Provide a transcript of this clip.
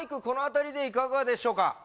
この辺りでいかがでしょうか？